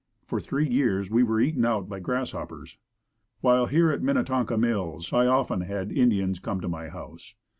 For three years we were eaten out by grasshoppers. While here at Minnetonka Mills I often had Indians come to my house.